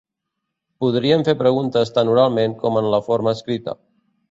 Podrien fer preguntes tant oralment com en la forma escrita.